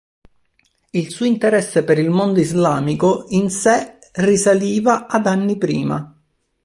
Il suo interesse per il mondo islamico in sé risaliva ad anni prima.